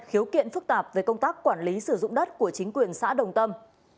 khiếu kiện phức tạp về công tác quản lý sử dụng đất của chính quyền xã đồng tâm